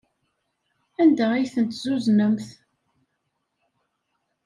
Anda ay tent-tezzuznemt?